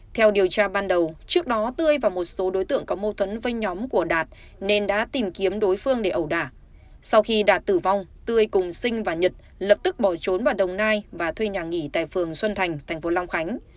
theo điều tra ban đầu trước đó tươi và một số đối tượng có mâu thuẫn với nhóm của đạt nên đã tìm kiếm đối phương để ẩu đả sau khi đạt tử vong tươi cùng sinh và nhật lập tức bỏ trốn vào đồng nai và thuê nhà nghỉ tại phường xuân thành thành phố long khánh